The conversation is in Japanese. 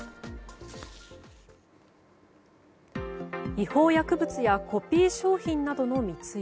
違法薬物やコピー商品などの密輸。